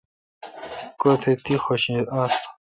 کوتھ تی حوشہ آستہ